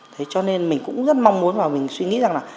thế cho nên mình cũng rất mong muốn và mình suy nghĩ rằng là